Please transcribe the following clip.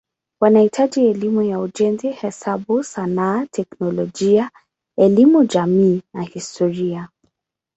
Wanahitaji elimu ya ujenzi, hesabu, sanaa, teknolojia, elimu jamii na historia.